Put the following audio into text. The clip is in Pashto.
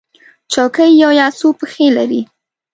چوکۍ یو یا څو پښې لري.